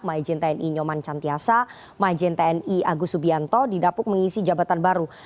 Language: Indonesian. majen tni nyoman cantiasa majen tni agus subianto didapuk mengisi jabatan baru